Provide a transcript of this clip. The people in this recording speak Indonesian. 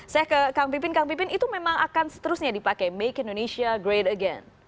saya ke kang pipin kang pipin itu memang akan seterusnya dipakai make indonesia great again